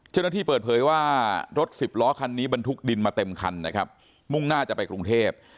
เจ้าหน้าที่เปิดเผยว่ารถสิบล้อคันนี้บรรทุกดินมาเต็มคันนะครับมุ่งหน้าจะไปกรุงเทพ